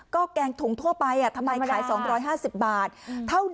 ก็แกงถุงทั่วไปทำไมขาย